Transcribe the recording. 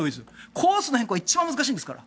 コースの変更が一番難しいんですから。